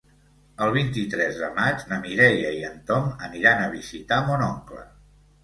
El vint-i-tres de maig na Mireia i en Tom aniran a visitar mon oncle.